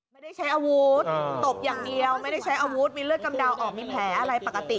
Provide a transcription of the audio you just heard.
ไม่ได้ใช้อาวุธตบอย่างเดียวไม่ได้ใช้อาวุธมีเลือดกำเดาออกมีแผลอะไรปกติ